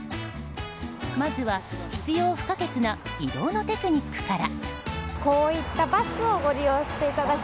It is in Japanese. まずは、必要不可欠な移動のテクニックから。